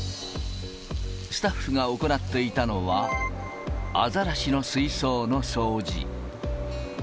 スタッフが行っていたのは、アザラシの水槽の掃除。